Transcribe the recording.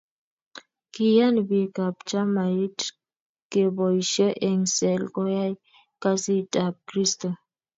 Kiyan biik ab chamait keboisie eng sel koyay kasit ab kristo